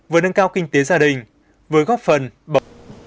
vừa nâng cao kinh tế gia đình vừa góp phần bậc